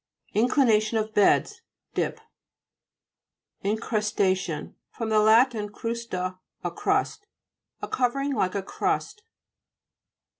INCLINATION OF BEDS Dip (p. 185). INCRIJSTA'TION fr. lat. eras/a, a crust. A covering like a crust.